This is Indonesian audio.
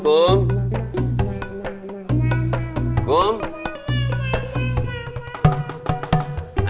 idup ini dok